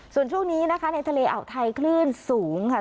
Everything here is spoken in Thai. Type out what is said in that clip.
ส่วนช่วงนี้ในทะเลอาวุธัยขลื่นสูงค่ะ